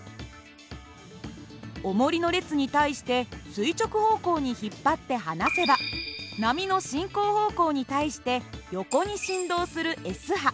おもりの列に対して垂直方向に引っ張って放せば波の進行方向に対して横に振動するＳ波